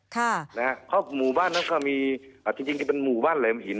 เพราะหมู่บ้านนั้นก็มีจริงที่เป็นหมู่บ้านแหลมหิน